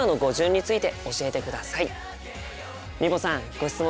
ご質問